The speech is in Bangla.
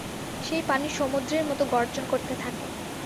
সেই পানি সমুদ্রের মতো গর্জন করতে থাকে।